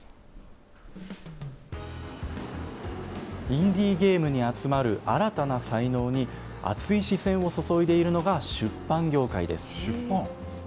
インディーゲームに集まる新たな才能に、熱い視線を注いでいるのが、出版業界です。